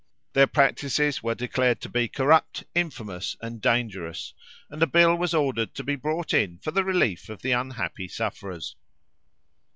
Their practices were declared to be corrupt, infamous, and dangerous; and a bill was ordered to be brought in for the relief of the unhappy sufferers.